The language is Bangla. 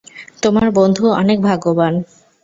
তোমার বন্ধু অনেক ভাগ্যবান।